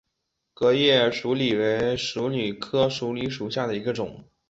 革叶鼠李为鼠李科鼠李属下的一个种。